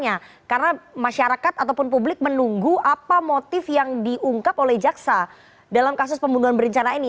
karena masyarakat ataupun publik menunggu apa motif yang diungkap oleh jaksa dalam kasus pembunuhan berencana ini